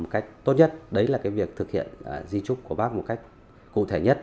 cách tốt nhất đấy là việc thực hiện di trúc của bác một cách cụ thể nhất